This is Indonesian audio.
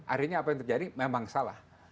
akhirnya apa yang terjadi memang salah